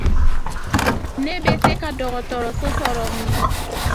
Ne bɛ se ka dɔgɔtɔrɔso sɔrɔ min?